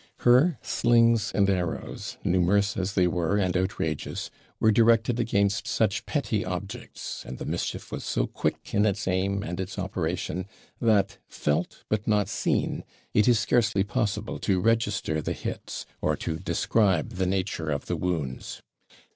Her slings and arrows, numerous as they were and outrageous, were directed against such petty objects, and the mischief was so quick, in its aim and its operation, that, felt but not seen, it is scarcely possible to register the hits, or to describe the nature of the wounds.